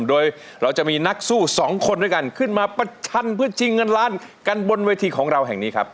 โดยเราจะมีนักสู้สองคนด้วยกันขึ้นมาประชันเพื่อชิงเงินล้านกันบนเวทีของเราแห่งนี้ครับ